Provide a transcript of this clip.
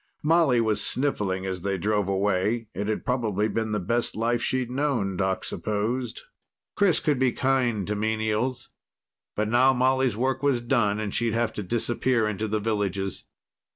Molly was sniffling as they drove away. It had probably been the best life she'd known, Doc supposed. Chris could be kind to menials. But now Molly's work was done, and she'd have to disappear into the villages.